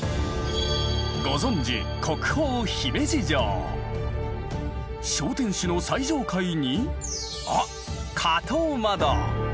ご存じ小天守の最上階にあっ！